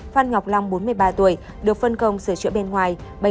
phan ngọc long bốn mươi ba tuổi được phân công sửa chữa bên ngoài